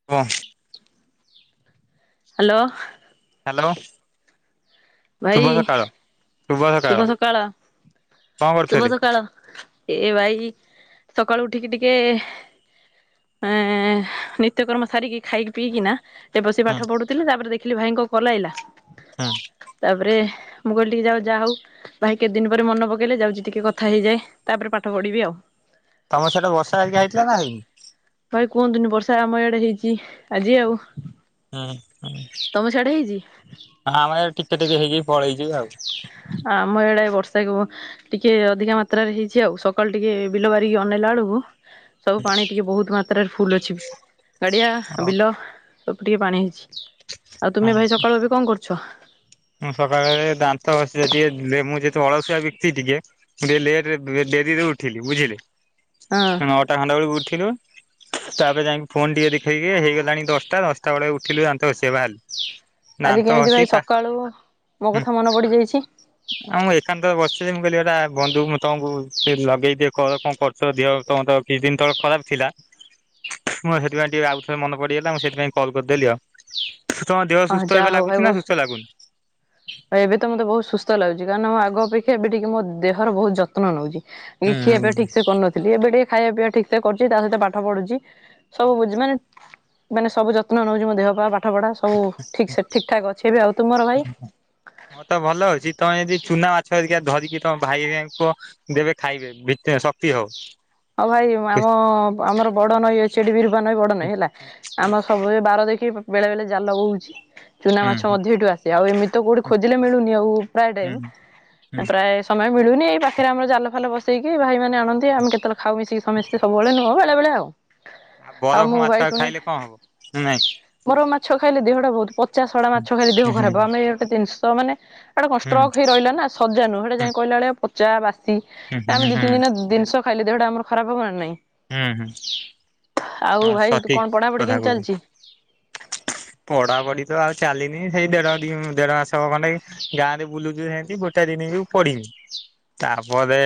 [unintelligible] Hello. Hello. ଭାଇ ଶୁଭ ସକାଳ ଶୁଭ ସକାଳ କଣ ଶୁଭ କରୁଥିଲେ? ସକାଳ। ଏ ଭାଇ ସକାଳୁ ଉଠିକି ଟିକେ ଆଁ ନିତ୍ୟକର୍ମ ସାରିକି ଖାଇକି ପିଇକିନା ଏବସିି ହୁଁ ପାଠ ପଢ଼ୁଥିଲି ତାପରେ ଦେଖିଲି ଭାଇଙ୍କ କଲ୍ ଆଇଲା ହଁ‌। ତାପରେ ମୁକଇଲି ଟିକେ ଯାଉ ଯାହାହଉ ଭାଇ କେତେଦିନି ପରେ ମନେ ପକେଇଲେ ଯାଉଚି ଟିକେ କଥା ହେଇଯାଏ ତାପରେ ପାଠ ପଢିବି ଆଉ। ତମ ସେଆଡ଼େ ବର୍ଷା ଆଜିକା ହେଇଥିଲାନା ହେଇନି? ଭାଇ କୁହନ୍ତୁନି ବର୍ଷା ଆମ ଏଇଆଡ଼େ ହେଇଚି ଆଜି ଆଉ। ହୁଁ ତମ ସିଆଡ଼େ ହେଇଚି? ହଁ ଆମର ଏଆରେ ଟିକେ ଟିକେ ହେଇକି ପଳେଇଯିବି ଆଉ‌। ଆମ ଏଇଆଡ଼େ ବର୍ଷାପ ଟିକେ ଅଧିକା ମାତ୍ରାରେରେ ହେଇଚି ଆଉ ସକାଳୁ ଟିକେ ବିଲ ବାରିକି ଅନେଇଲା ବେଳକୁ ସବୁ ପାଣି ଟିକେ ବହୁତ୍ ମାତ୍ରାରେ ଫୁଲ୍ ଅଛିବି ଗାଡ଼ିଆ ହଁ। ବିଲ ସବୁ ଟିକେ ପାଣି ହେଇଚି। ଆଉ ତୁମେ ଭାଇ ସକାଳୁ ଏବେ କଣ କରୁଛ? ମୁଁ ସକାଳେ ଦାନ୍ତ ଘଷିଘଷି ବୁଲେ ମୁଁ ଯେତେ ଅଳସୁଆ ବକ୍ତି ଟିକେ ଟିକେ ଲେଟେରେ ଡେରିରେ ଉଠିଲି ବୁଝିଲେ ହଁ ନଅଟା ଖଣ୍ଟା ବେଳକୁ ଉଠଥିଲୁ ତାପରେ ଯାଇକି ଫୋନ୍ ଟିକେ ଦେଖେଇକି ହେଇଗଲାଣି ଦଶଟା ଦଶଟା ବେଳେ ଉଠିଲୁ ଦାନ୍ତ ଘଷିବା ପାଇଁ ବସିବା ବାହାର ଆଜି କେମିତି ଭାଇ ସକାଳୁ ହୁଁ ମୋକଥା ମନେ ପଡ଼ିଯାଇଛି? ଆଉ ମୁଁ ଏକାନ୍ତର ବସିଛିି ମୁଁ କହିଲି ଏଟା ବନ୍ଧୁମୁ ତମକୁ ସେ ଲଗେଇଦିଏ କ କଣ କରୁ ସ ଦେହ ତମରତ କିଛି ଦିନି ତଳେ ଖରାପ୍ ଥିଲା। ମୁଁ ସେଥିପାଇଁ ଟିକେ ଆଉଥରେ ମନେ ପଡ଼ିଗଲା ମୁସେଥିପାଇଁ କଲ୍ କରିଦେଲି ଆଉ। ତମ ଦେହ ହଁ ସୁସ୍ଥ ଯାହା ଏବେ ଲାଗୁଚିନା ସୁସ୍ଥ ଲାଗୁନି? ଆଉ ଏବେତ ମତେ ବହୁତ୍ ସୁସ୍ଥ ଲାଗୁଚି କାରଣ ମୁଁ ଆଗ ଅପେକ୍ଷା ଏବେ ଟିକେ ମଦେହର ବହୁତ୍ ଯତ୍ନ ନେଉଛି। ଏ ଖିଆ ହୁଁ। ପିଆ ଠିକିସେ କରୁନଥିଲି ଏବେ ଟିକେ ଖାଇବା ପିଇବା ଠିକ୍ ସେ କରୁଚି ତାସହିତ ପାଠ ପଢୁଛି। ସବୁ ବୁଝି ମାନେ ମାନେ ସବୁ ଯତ୍ନ ନଉଛି ମୋ ଦେହପା ପାଠ ପଢା। ହଉ ଠିକ୍ ସେ ଠିକ୍ ଠାକ୍ ଅଛି ଏବେ ଆଉ ତୁମର ଭାଇ ମରତ ଭଲ ଅଛି ତମେ ଯଦି ଚୁନା ମା ଛ ଅରିକା ଧରିକି ତମ ଭାଇାଇରାଙ୍କୁ କୁଅ ଦେବେ ଖାଇବେ ଭିଟା ଶକ୍ତି ହଉ। ହଉ ଭାଇ ଆମ ଆମର ବଡ଼ ନଈ ଅ ସେଠିବି [unintelligible] ବଡ ନାହିଁ ହେଲା ଆମର ସବୁବେଳେ ବାର ଦେଖି ବେଳେ ବେଳେ ଜାଲ ବୋହୁଛି। ଚୁନା ମାଛ ହୁଁ ମଧ୍ୟ ଏଇଠୁ ଆସେ ଆଉ ଏମିତି କୋଉଠି ହୁଁ ଖୋଜିଲେ ମିଳୁନି ଆଉ ପ୍ରାୟ ହୁଁ ଟାଇମ୍ ହୁଁ। ପ୍ରାୟ ସମୟ ମିଳୁନି ଏଇ ପାଖରେ ଆମର ଜାଲ ଫାଲ ବସେଇକି ଭାଇମାନେ ଆଣନ୍ତି ଆମେ କେ ତେଳେ ଖାଉ ମିଶିକି ସମସ୍ତେ ସବୁବେଳେ ହଁ ବେଳେ ବେଳେ ଆଉ ଆଉ ବରଫ ମୁଁ ମାଛ ଭାଇ ଶୁଣେ ଖାଇଲେ କଣ ହବ ନାଇଁ। ବରଫ ମାଛ ଖାଇଲେ ଦେହଟା ବହୁତ ପଚା ଶଡା ମାଛ ଖାଇଲେ ଦେହ ହୁଁ ହୁଁ ଖରାପ ହ ଗୋଟେ ଜିନିଷ ମାନେ ହେଟା କଣ ହୁଁ ଷ୍ଟ୍ରକ୍ ହେଇ ରଇଲ ନା ସଜାନୁଅ ହେଟା ହୁଁ ଯାଇଁ କଇଲା ବଳିଆ ପଚା ବାସି ହୁଁ ହୁଁ ହୁଁ ଆମେ ଦି ତିି ହୁଁ ଦିନ ର ଦିନିଷ ଖାଇଲେ ଦେହଟା ଆମର ଖରାପ ହବ ନା ନାଇଁ? ହୁଁ ହୁଁ। ଆଉ ହଁ ଭାଇ ତୁ ସଠିକ୍ କଣ ପଢାପୁଢି କଥା କେମିତି କହୁଛ। ଚାଲିଚି? ପଢାପଢି ତ ଆଉ ଚାଲିନି ସେଇ ଦେଢ଼ ଦି ଦେଢ଼ ମାସେ ହବ ଖଣ୍ଡେ କି ଗାଁରେ ବୁଲୁଚୁ ସେମିତି ଗୋଟେ ଦିନ ବି ପଡ଼ିନି। ତାପରେ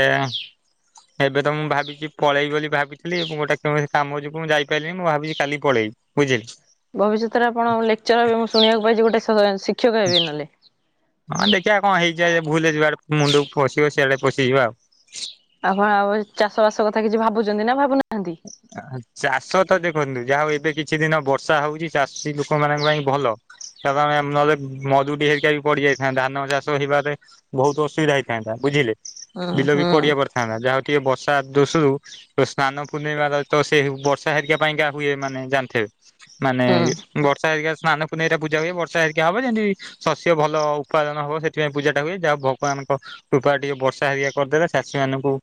ଏବେ ତ ମୁଁ ଭାବିଚି ପଳେଇ ବୋଲି ଭାବିଥିଲି ଏବଂ ଗୋଟେ କେମିତି କାମ ଜୋ ଗୁ ମୁଁ ଯାଇପାଇଲିନି ମୁଁ ଭାବୁଚି କାଲି ପଳେଇବି ବୁଝିଲେ। ଭବିଷ୍ୟତରେ ଆପଣ ଲେକଚର ହେବେ ମୁଁ ଶୁଣିବାକୁ ପାଇଚି ଗୋଟେ ଶ-ଶିକ୍ଷକ ହେବେ ନହେଲେ। ହଁ ଦେଖିଆ କଣ ହେଇଯାଏ ଭୁଲ ରେ ଯିଆଡେ ମୁଣ୍ଡୁକୁ ପଶିବ ସିଆଡେ ପଶିଯିବା ଆଉ। ଆପଣ ଆଉ ଚାଷ ବାସ କଥା କିଛି ଭାବୁଚନ୍ତି ନା ଭାବୁନାହାନ୍ତି? ଚାଷ ତ ଦେଖନ୍ତୁ ଯାହା ହଉ ଏବେ କିଛି ଦିନ ବର୍ଷା ହଉଚି ଚାଷୀ ଲୋକମାନଙ୍କ ପାଇଁ ଭଲ। [unintelligible] ନହେଲେ ମରୁଡ଼ି ହେରିକା ବି ପଡିଯାଇଥାନ୍ତା ଧାନ ଚାଷ ହେବାରେ ବହୁତୁ ଅସୁବିଧା ହେଇଥାନ୍ତା ବୁଝିଲେ। ହୁଁ ବିଲ ବି ହୁଁ ପଡିଆ ପଡିଥାନ୍ତା ଯାହା ହଉ ଟିକେ ବର୍ଷା ଦୋଶୁରୁ ସ୍ନାନ ପୂର୍ଣ୍ଣିମାର ତ ସେ ହେଉ ବର୍ଷା ହେରିବା ପାଇଁକା ହୁଏ ମାନେ ଜାଣିଥିବେ ମାନେ ହୁଁ ବର୍ଷା ହେରିକା ସ୍ନାନ ପୁନେଇଁ ରେ ପୂଜା ହୁଏ ବର୍ଷା ହେରିକା ହବ ଯେମିତି ଶସ୍ୟ ଭଲ ଉପାଦାନ ହବ ସେଥିପାଇଁ ପୂଜା ଟା ହୁଏ ଯାହା ହଉ ଭଗବାନଙ୍କ କୃପା ରୁ ଟିକେ ବର୍ଷା ହେରିଆ କରିଦେଲେ ଚାଷୀ ମାନଙ୍କୁ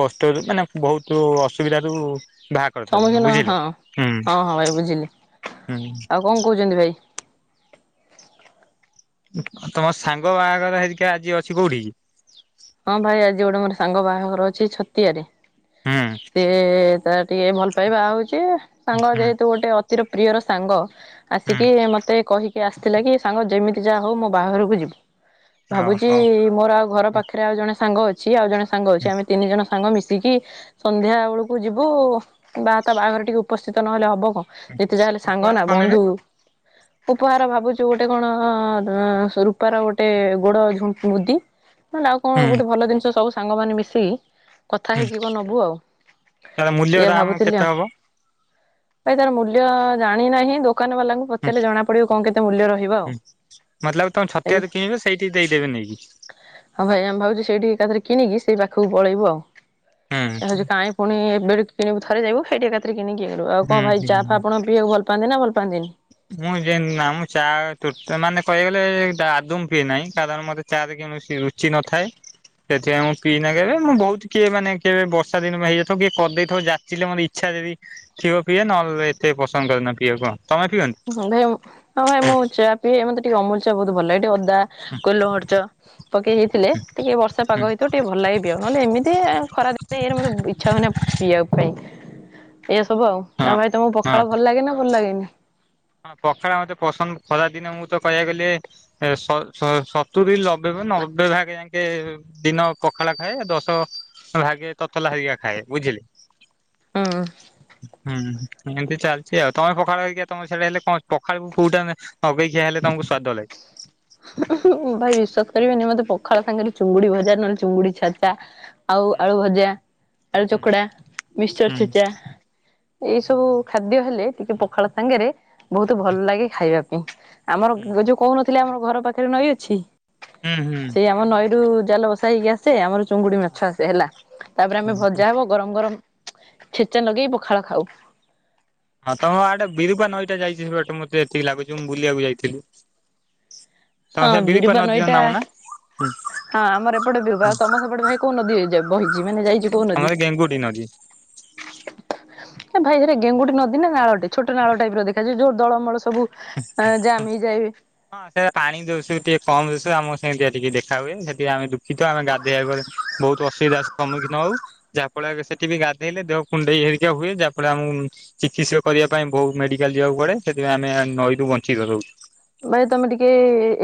କଷ୍ଟରୁ ମାନେ ବହୁତୁ ଅସୁବିଧା ରୁ ଭା [unintelligible] ହଁ ହଁ ହଁ ଭାଇ ବୁଝିଲି ହୁଁ ଆଉ କଣ କଉଚନ୍ତି ଭାଇ? ତମ ସାଙ୍ଗ ବାଆଘର ହେଇିକି ଆଜି ଅଛି କୋଉଠି କି? ହଁ ଭାଇ ଆଜି ଗୋଟେ ମୋର ସାଙ୍ଗ ବାହାଘର ଅଛି ଛତିଆରେ। ହୁଁ ସେ ତାର ଟିକେ ଭଲପାଇ ବାଆହଉଚି ସାଙ୍ଗ ହୁଁ ଯେହେତୁ ଗୋଟେ ଅ ତିର ପ୍ରିୟର ସାଙ୍ଗ ହୁଁ ଆସିକି ମତେ କହି କି ଆସିଥିଲା କି ସାଙ୍ଗ ଯେମିତି ଯାହା ହଉ ମୋ ବାହାଘରକୁ ଯିବୁ ଓ ଭାବୁଚି ହଉ ମୋର ଆଉ ଘର ପା ଥିରେ ଆଉ ଜଣେ ସାଙ୍ଗ ଅଛି ଆଉ ଜଣେ ସାଙ୍ଗ ଅଛି ଆମେ ତିନି ଜଣ ସାଙ୍ଗ ମିଶିକି ସନ୍ଧ୍ୟା ବେଳୁକୁ ଯିବୁ ବା ତା ବାହାଘରେ ଟିକେ ଉପସ୍ଥିତ ନହେଲେ ହବ କଣ? ଯେତେ ଯାହା ହେଲେ ସାଙ୍ଗ ଉପହାର ନା କଣ ନେବେ ବନ୍ଧୁ। ଉପହାର ଭାବୁଚୁ ଗୋଟେ କଣ ରୂପାର ଗୋଟେ ଗୋଡ ଝୁଣ୍ ମୁଦି। ନହେଲେ ଆଉ ହୁଁ କଣ ଗୋଟେ ଭଲ ଜିନିଷ ସବୁ ସାଙ୍ଗମାନେ ମିଶିକି କଥା ହୁଁ। ହେଇକି କଣ ନବୁ ଆଉ ତାର ମୂଲ୍ୟ ଏଇଆ ଦାମ ଭାବୁଥିଲି କେତେ ଆଉ। ହବ? ଭାଇ ତାର ମୂଲ୍ୟ ଜାଣିନାହିଁ ଦୋକାନ ବାଲାଙ୍କୁ ହୁଁ ପଚାରିଲେ ଜଣା ପଡିବ କଣ କେତେ ମୂଲ୍ୟ ରହିବ ଆଉ ଏଇ ସେଇଠିକି ଦେଇଦେବେ ନେଇକି। ହଁ ଭାଇ ଆମେ ଭାବୁଚୁ ସେଇଠିକି ଏକାଥରେ କିଣିକି ସେଇ ପାଖୁକୁ ପଳେଇବୁ ଆଉ ହୁଁ ଭାବୁଚୁ କାଇଁ ପୁଣି ଏବେ ଠୁ କିଣିବୁ ଥରେ ଯିବୁ ସେଇଠି ଏକାଥରେ କିଣିକି ଇଏ କରିବୁ ଆଉ ହୁଁ କଣ ଭାଇ ଚା ହୁଁ ଫା ଆପଣ ପିଇବାକୁ ଭଲ ପାଆନ୍ତି ନା ଭଲ ପାନ୍ତିନି ମୁଁ ଯେ ନା ମୁଁ ଚା ତୁଟା ମାନେ କଇବାକୁ ଗଲେ ତା ଆଦୌ ମୁଁ ପିଏ ନାଇଁ କାରଣ ମତେ ଚା ରେ କୌଣସି ରୁଚି ନଥାଏ। ସେଥିପାଇଁ ମୁଁ ପିନା କେବେ ମୁଁ ବହୁତୁ କିଏ ମାନେ କେବେ ବର୍ଷା ଦିନ ହେଇଯାଇ ଥବ କିଏ କରିଦେଇଥବ ଜାଚିଲେ ମୋର ଇ ଛା ଯଦି ଥିବ ପିଏ ନହେଲେ ଏତେ ପସନ୍ଦ କରେନା ପିଇବାକୁ କଣ ତମେ ପିଅ [unintelligible] ହଁ ଭାଇ ମୁଁ ଚା ପିଏ ମତେ ଟିକେ ଅମୁଲ ଚା ବହୁତୁ ଭଲ ଲାଗେ ଟିକେ ଅଦା ଗୋଲମରିଚ ପକେଇ ହେଇଥିଲେ ଟିକେ ବର୍ଷା ପାଗ ହେଇଥିବ ଟିକେ ଭଲ ଲାଗେ ପିଇବାକୁ ନହେଲେ ଏମିତି ଏ ଖରା ଦି ଇଏ ରେ ମତେ ଇଚ୍ଛା ହୁଏନା ପିଇବା ପାଇଁ। ଏଇଆ ସବୁ ଆଉ ହଁ ଆଉ ଭାଇ ତମୁକୁ ପଖାଳ ଭଲ ଲାଗେ ନା ଭଲ ଲାଗେନି? କଣ ପଖାଳ ମତେ ପସନ୍ଦ ଖରାଦିନେ ମୁଁ ତ କଇବାକୁ ଗଲେ ଏ ସତୁ ସତୁରି ନବେ ନବେ ଭାଗେ ଯାକେ ଦିନ ପଖାଳ ଖାଏ ଦଶ ଭାଗେ ତତଲା ହେରିକା ଖାଏ ବୁଝିଲେ। ହୁଁ। ହୁଁ ଏମତି ଚାଲିଛି ଆଉ ତମେ ପଖାଳ ହେରିକା ତମ ପଖଳ ହେଲେ କଣ ପଖାଳକୁ କୋଉଟ ନଗେଇଖିଆ ହେଲେ ତମକୁ ସ୍ୱାଦ ଲାଗେ। ଭାଇ ବିଶ୍ୱାସ କରିବେନି ମତେ ପଖାଳ ସାଙ୍ଗରେ ଚୁଙ୍ଗୁଡି ଭଜାର ନହେଲେ ଚୁଙ୍ଗୁଡି ଛେଚା ଆଉ ଆଳୁ ଭଜା ଆଳୁ ହୁଁ ଚକଡ଼ା ମିକ୍ସଚର ହୁଁ ଛେଚା ଏଇ ସବୁ ଖାଦ୍ୟ ହେଲେ ଟିକେ ପଖାଳ ସାଙ୍ଗରେ ବହୁତ ଭଲ ଲାଗେ ଖାଇବା ପାଇଁ ଆମର ହୁଁ ଯୋଉ କହୁନଥିଲି ଆମର ଘର ପାଖରେ ନଈ ଅଛି। ହୁଁ ହୁଁ। କି ଆମ ନଈରୁ ଜାଲ ବସା ହେଇକି ଆସେ ଆମର ଚୁଙ୍ଗୁଡି ମାଛ ଆସେ ହେଲା ତାପରେ ଆମେ ହୁଁ। ଭଜା ହବ। ଗରମ ଗରମ ଛେ ଛେଚା ଲଗେଇ ପଖାଳ ଖାଉ। ହଁ ତମ ଆଡେ ବିରୁପା ନଈଟା ଯାଇଛି ସେପଟେ ମୋତେ ଏତିକି ଏତିକି ଲାଗୁଛି ମୁଁ ବୁଲିବାକୁ ଯାଇଥିଲି। ତମର ହଁ ସେ ବିରୁପା ନଦୀର ନଈଟା ନାହୁନା। ହଁ ଆମର ଏପଟେ ବିରୁପା ଆଉ ତମ ସେପଟେ ଭାଇ କୋଉ ନଦୀ ଯାଇ ବହି ଆମର ଗେଙ୍ଗୁଟୀ ନଦୀ। ଏ ଭାଇ ସେରେ ଗେଙ୍ଗୁଟି ନଦୀ ନା ନାଳଟେ ଛୋଟ ନାଳ ଟାଇପ ର ଦେଖାଯାଏ ଯୋଉ ଦଳମଳ ସବୁ ଆ ଜାମ ହେଇଯାଏ। ହଁ ସେ ପାଣି ଦୋଶୁରୁ ଟିକେ କମ ଦୁଶେ ଆମକୁ ସେମତି ଟିକେ ଦେଖା ହୁଏ ସେଠି ଆମେ କିନ୍ତୁ ଆମେ ଗାଧୋଇବା କୁ ବହୁତ ଅସୁବିଧା ଅ ସମ୍ମୁଖୀନ ହଉ। ଯାହାଫଳ ସେଠି ବି ଗାଧୋଇଲେ ଦେହ କୁଣ୍ଡେଇ ହେରିକା ହୁଏ ଯାହା ଫଳରେ ଆମକୁ ଚିକିତ୍ସା କରିବା ପାଇଁ ବହୁତ ମେଡିକାଲ ଯିବାକୁ ପଡେ ସେଥିପାଇଁ ଆମେ ନଈରୁ ବଞ୍ଚି ରଉଛୁ। ଭାଇ ତମେ ଟିକେ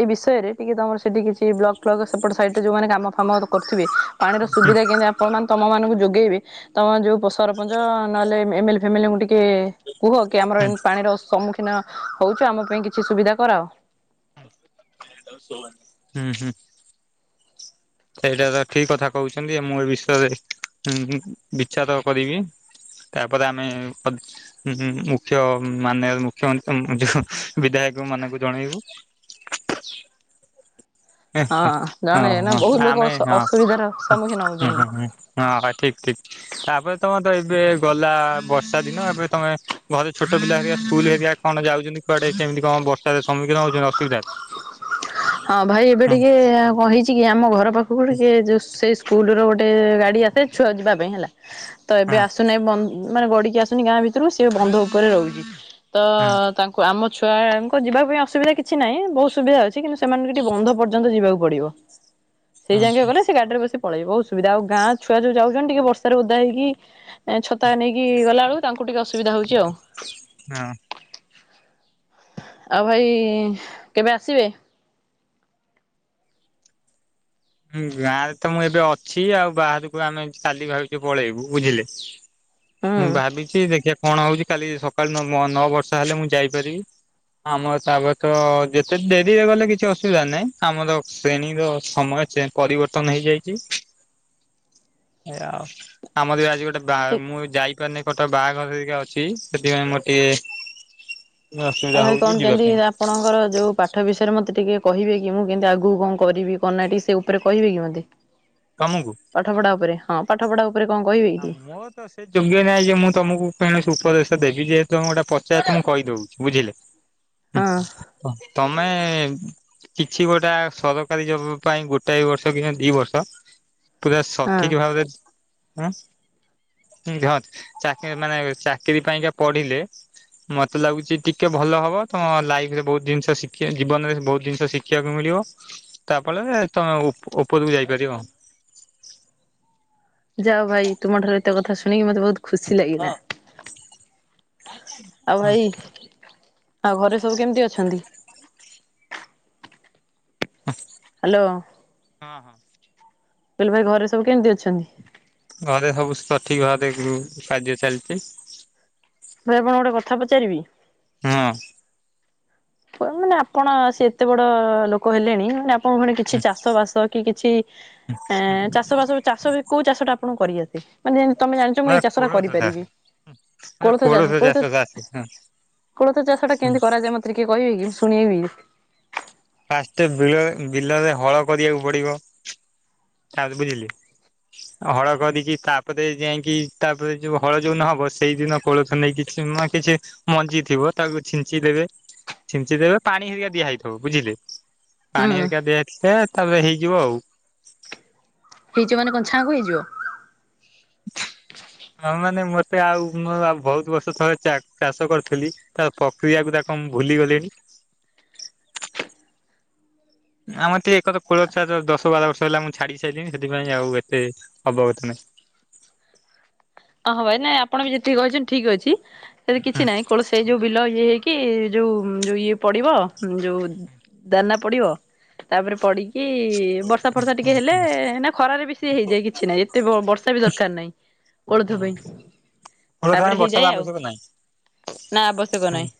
ଏଇ ବିଷୟରେ ଟିକେ ତମର ସେଠି କିଛି ବ୍ଲକ ଫ୍ଲକ ସେପଟ ସାଇଟରେ ଯୋଉମାନେ କାମ ଫାମ କରୁଥିବେ ପାଣିର ହୁଁ ସୁବିଧା କେମତି ଆପଣ ମାନ ତମ ମାନଙ୍କୁ ଯୋଗେଇବେ ତମ ଯୋଉ ପ ସରପଞ୍ଚ ନହେଲେ ଏମେଲେ ଫେମେଲ ଙ୍କୁ ଟିକେ କୁହ କି ଆମର ହୁଁ ପାଣିର ସମ୍ମୁଖୀନ ଖିନ ହଉଛି ଆମ ପାଇଁ କିଛି ସୁବିଧା କରାଅ। ହୁଁ ହୁଁ। ସେଇଟା ତ ଠିକ କଥା କହୁଛନ୍ତି ମୁଁ ଏ ବିଷୟରେ ହୁଁ ହୁଁ ବିଚାର କରିବି। ତାପରେ ଆମେ ହୁଁଁ ହୁଁ ମୁଖ୍ୟ ମାନେ ମୁଖ୍ୟ ମନ୍ତ୍ରୀ ଯୋଉ ବିଧାୟକ ମାନଙ୍କୁ ଜଣେଇବୁ। ହେଁ ହେଁ ହଁ ହଁ ଜଣେ ନା ହଁ ବହୁ ଲୋକ ଆମେ ହଁ ଅସୁବିଧାର ହଁ ସମ୍ମୁଖୀନ ହଉଛନ୍ତି। ହଁ। ହଁ ହଁ ଠିକ ଠିକ ତାପରେ ତମେ ତ ଏବେ ଗଲା ବର୍ଷା ଦିନ ଏବେ ତମେ ଘରେ ଛୋଟ ପିଲା ହେରିଆ ସ୍କୁଲ ହେରିଆ କଣ ଯାଉଛନ୍ତି କୁଆଡେ ସେମିତି କଣ ବର୍ଷାର ସମ୍ମୁଖୀନ ହଉଛନ୍ତି ଅସୁବିଧାରେ ହଁ ଭାଇ ଏବେ ଟିକେ କଣ ହେଇଛି କି ଆମ ଘର ପାଖକୁ ଟିକେ ଯୋଉ ଶୁ ସେଇ ସ୍କୁଲର ଗୋଟେ ଗାଡି ଆସେ ଛୁଆ ଯିବା ପାଇଁ ହେଲା ତ ଏବେ ହୁଁ ଆସୁନାହି ବ ମାନେ ଗଡିକି ଆସୁନି ଗାଁ ଭିତରୁ ସେ ବନ୍ଧ ଉପରେ ରହୁଛି ତ ହୁଁ ତାଙ୍କ ଙ୍କୁ ଆମ ଛୁଆଙ୍କ ଯିବା ପାଇଁ ଅସୁବିଧା କିଛି ନାହିଁ ବହୁତ ସୁବିଧା ଅଛି କିନ୍ତୁ ସେମାନଙ୍କୁ ଟିକେ ବନ୍ଧ ପର୍ଯ୍ୟନ୍ତ ଯିବାକୁ ପଡିବ ସେଇ ହୁଁ ଯାକେ ଗଲେ ସେ ଗାଡିରେ ବସି ପଳେଇବ ବୋହୁତ ସୁବିଧା ଆଉ ଗାଁ ଛୁଆ ଯଉ ଯାଉଛନ୍ତି ଟିକେ ବର୍ଷାରେ ଓଧା ହେଇକି ଛତା ନେଇକି ଗଲା ବେଳକୁ ତାଙ୍କୁ ଟିକେ ଅସୁବିଧା ହଉଛି ଆଉ। ହଁ। ଆଉ ଭାଇ କେବେ ଆସିବେ? ହୁଁ ଗାଁ ରେ ତ ମୁଁ ଏବେ ଅଛି ଆଉ ବାହାରକୁ ଆମେ କାଲି ଭାବିଛୁ ପଳେଇବୁ ବୁଝିଲେ। ମୁଁ ହୁଁ। ଭାବିଛି ଦେଖିବା କଣ ହଉଛି କାଲି ସକାଳୁ ନ ନଅ ବର୍ଷା ହେଲେ ମୁଁ ଯାଇପାରିବି। ଆମର ତାପରେ ତ ଯେତେ ଡେରିରେ ଗଲେ କିଛି ଅସୁବିଧା ନାହିଁ ଆମର ଟ୍ରେନିଂ ର ସମୟ ସେ ପରିବର୍ତ୍ତନ ହେଇଯାଇଛି ଏୟା ଆଉ ଆମର ଆଜି ଗୋଟେ ବା ମୁଁ ଯାଇପାରୁନି କଟକ ବାହାଘର ହେରିକା ଅଛି ସେଥିପାଇଁ ମୋର ଟିକେ ଆଉ ଅସୁବିଧା ଭାଇ ହଉଛି କଣ ଯିବା ପାଇଁ କେମିତି ଆପଣଙ୍କର ଯୋଉ ପା ପାଠ ବିଷୟରେ ମତେ ଟିକେ କହିବେ କି ମୁଁ କେମିତି ଆଗକୁ କଣ କରିବି କଣ ନାହିଁ ଟିକେ ସେ ଉପରେ କହିବେ କି ମୋତେ। ତମକୁ। ପାଠ ପଢା ଉପରେ ହଁ ପାଠ ପଢା ଉପରେ। ଉପରେ କଣ କହିବି? ଆମ। ତ ସେ ଯୋଗ୍ୟ ନାହିଁ ଯେ ମୁଁ ତମକୁ କୌଣସି ଉପଦେଶ ଦେବି ଯେହେତୁ ତମେ ଗୋଟେ ପଚାର ତ ମୁଁ କହିଦେଉଛି ବୁଝିଲେ। ହଁ ତମେ। କିଛି ଗୋଟା ସରକାରୀ ଜବ ପାଇଁ ଗୋଟାଏ ବର୍ଷ କି ଦି ବର୍ଷ। ପୁରା ହଁ ସଠିକ୍ ଭାବରେ। ହ ଚାକି ମାନେ ଚାକିରି ପାଇଁକା ପଢିଲେ। ମତେ ଲାଗୁଛି ଟିକେ ଭଲ ହବ ତମ ଲାଇଫ ରେ ବହୁତ ଜିନିଷ ଶିଖ ଜୀବନରେ ବହୁତ ଯିନିଷ ଶିଖ। ଦେଖିବାକୁ ମିଳିବ ତା ଫଳରେ ତମେ ଉପରକୁ ଯାଇପାରିବ। ଯାଅ ଭାଇ ତୁମ ଠାରୁ ଏତ କଥା ଶୁଣିକି ମତେ ବହୁତ ଖୁସି ଲାଗିଲା। [unintelligible] ଆଉ ହଁ। ଭାଇ ଆଉ ଘରେ ସବୁ କେମିତି ଅଛନ୍ତି। ହୁଁ ହ୍ୟାଲୋ। ହଁ ହଁ। କହିଲି ଭାଇ ଘରେ ସବୁ କେମିତି ଅଛନ୍ତି। ଘରେ ସବୁ ସଠିକ ଭାବରେ କାର୍ଯ୍ୟ ଚାଲିଛି। ଭରେ ଆପଣ ଙ୍କୁ ଗୋଟେ କଥା ପଚାରିବି। ହଁ। ମାନେ ଆପଣ ସେ ଏତେ ବଡ ଲୋକ ହେଲେଣି ମାନେ ଆପଣଙ୍କ ଭଣି କିଛି ଚାଷ ବାସ। କି କିଛି ଏ ଚାଷ ବାସ ଚାଷ ବି କୋଉ ଚାଷ ଟା ଆପଣ କରିଆସେ। ମାନେ ଯେମିତି ତମେ ଜାଣିଛ ମ ମୁଁ ଏଇ ଚାଷ ଟା କୋଳଥ ଚାଷ କରିପାରିବି କୋଳଥ ଚାଷ କୋଳଥ। କୋଳଥ ଚାଷ ଟା କେମିତି କରାଯାଏ ମତେ ଟିକେ କହିବେ କି ଶୁଣେଇବି। ଫାଷ୍ଟ ବ ବିଲରେ ହଳ କରିବାକୁ ପଡିବ ଆ ବୁଝିଲି। ହଳ କରିକି ତାପରେ ଯାଇକି ତାପରେ ଯୋଉ ହଳ ଯୋଉ ନହବ ସେଇଦିନ। କୋଳଥ ନେଇକି କିଛି ମ କିଛି। ମଞ୍ଜି ଥିବ ତାକୁ ଛିଞ୍ଚି ଦେବେ ଛିଞ୍ଚି ଦେବେ ପାଣି ହେରିକା ଦିଆ ହେଇଥିବ ବୁଝିଲେ। ହୁଁ ପାଣି ଏକରିକା ଦିଆ ହେଇଥିଲେ ତାପରେ ହେଇଯିବ ଆଉ। ହେଇଯିବ ମାନେ କଣ ଚ୍ଚାଣ କୁ ହେଇଯିବ। ହଁ ମାନେ ମତେ ଆଉ ମୁଁ ବହୁତ ବର୍ଷ ଥଳେ ଚାଷ କରିଥିଲି। ତା ପ୍ରକ୍ରିୟା କ ତା କଣ ଭୁଲି ଗଲିଣି ଆମର ଟିକେ ଏକ ତ କୋଳଛ ଦଶ ବାର ବର୍ଷ ହେଲା ମୁଁ ଛାଡି ସାରିନି ସେଥିପାଇଁ ଆଉ ଏତେ ଅବଗତ ନାହିଁ। ଅ ହଁ ଭାଇ ନାଇଁ ଆପଣ ବି ଯେତିକି କହିଛନ୍ତି ଠିକ ଅଛି ସେଠି ହୁଁ କିଛି ନାହିଁ କୌଣସି। ସେଇ ଯୋଉ ବିଲ ଇଏ ହେଇକି ଯୋଉ ଯୋଉ ଇଏ ପଡିବ ଯୋଉ। ଦାନା ପଡିବ ତାପରେ ପଡି। କି ବର୍ଷା ଫର୍ଷା ଟିକେ ହେଲେ ନା ଖରାରେବି ସିଏ ହେଇଯାଏ କିଛି ନାହିଁ ଏତେ ବର୍ଷା ବି ଦରକାର ନାହିଁ। ଓଳଧ ପାଇଁ କୋଳଥ ପାଇଁ ତାପରେ ବର୍ଷାର ହେଇଯାଏ ଆଉ ଆବଶ୍ୟକ ନାହିଁ। ନା ଆବଶ୍ୟକ ନାହିଁ।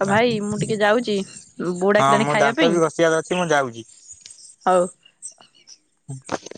ଆଉ ଭାଇ ମୁଁ ଟିକେ ଯାଉଛି ବୋଉ ହଁ ମୋ ଡାକିଲାଣି ଖାଇବା ଦାନ୍ତ ପାଇଁ। ବି ଘଷିବାର ଅଛି ମୁଁ ଯାଉଛି। ହଉ। [unintelligible]